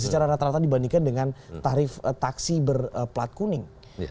secara rata rata dibandingkan dengan tarif taksi berplat kuning